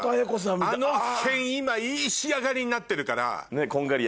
あの辺今いい仕上がりになってるから。